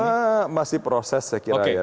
ya masih proses saya kira ya